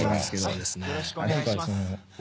よろしくお願いします。